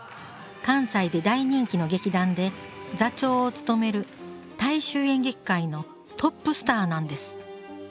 関西で大人気の劇団で座長を務める大衆演劇界のトップスターなんです